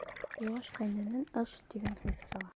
Йыуаш ҡәйнәнән «ыш» тигән һүҙ сыға.